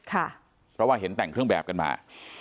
เพราะว่าเห็นแต่งเครื่องแบบกันมา